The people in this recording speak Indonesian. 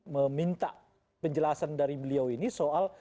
meminta penjelasan dari beliau ini soal